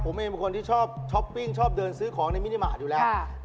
ผมเองเป็นคนที่ชอบช้อปปิ้งชอบเดินซื้อของในมินิมาตรอยู่แล้ว